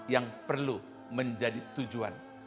yang perlu menjadi tujuan